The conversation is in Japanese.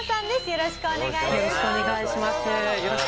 よろしくお願いします。